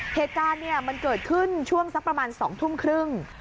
เหตุการณ์มันเกิดขึ้นช่วงสักประมาณ๒ทุ่มครึ่ง